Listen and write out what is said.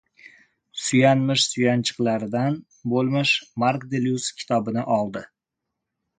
Suyanmish suyanchiqlaridan bo‘lmish Mark Deluz kitobini oldi.